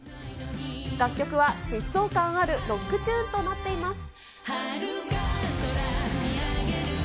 楽曲は疾走感あるロックチューンとなっています。